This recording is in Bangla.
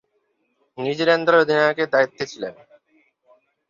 নিউজিল্যান্ড দলের অধিনায়কের দায়িত্বে ছিলেন।